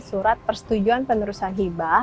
surat persetujuan penerusan hiba